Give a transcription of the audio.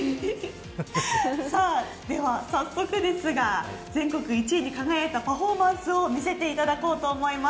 さあ、では早速ですが全国１位に輝いたパフォーマンスを見せていただこうと思います。